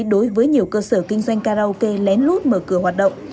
đối với nhiều cơ sở kinh doanh karaoke lén lút mở cửa hoạt động